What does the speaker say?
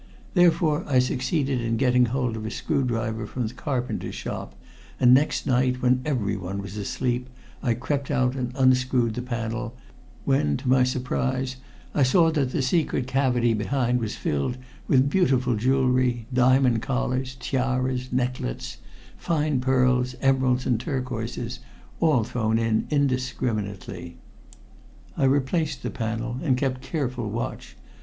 Therefore I succeeded in getting hold of a screwdriver from the carpenter's shop, and next night, when everyone was asleep, I crept out and unscrewed the panel, when to my surprise I saw that the secret cavity behind was filled with beautiful jewelry, diamond collars, tiaras, necklets, fine pearls, emeralds and turquoises, all thrown in indiscriminately. "I replaced the panel and kept careful watch.